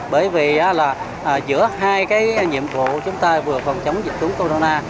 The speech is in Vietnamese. bởi vì giữa hai nhiệm vụ chúng ta vừa phòng chống dịch tố túng corona